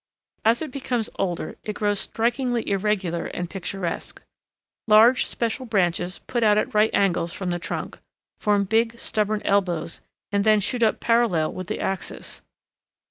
As it becomes older, it grows strikingly irregular and picturesque. Large special branches put out at right angles from the trunk, form big, stubborn elbows, and then shoot up parallel with the axis.